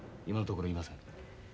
今のところいません。